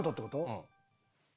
うん。